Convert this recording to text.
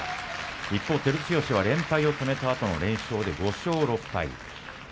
一方の照強は連敗を止めたあとの連勝で５勝６敗。